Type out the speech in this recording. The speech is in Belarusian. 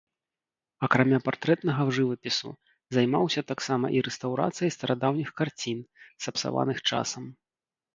Акрамя партрэтнага жывапісу займаўся таксама і рэстаўрацыяй старадаўніх карцін, сапсаваных часам.